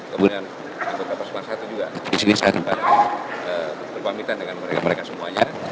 kemudian kemudian di sini saya sempat berpamitan dengan mereka mereka semuanya